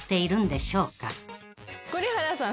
栗原さん